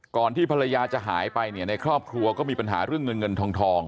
ที่ภรรยาจะหายไปเนี่ยในครอบครัวก็มีปัญหาเรื่องเงินเงินทอง